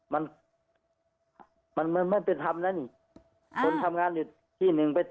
มันมันไม่เป็นธรรมแล้วนี่ค่ะคนทำงานอยู่ที่หนึ่งไป